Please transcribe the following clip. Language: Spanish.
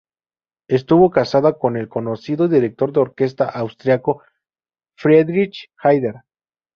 Estuvo casada con el conocido director de orquesta austríaco Friedrich Haider.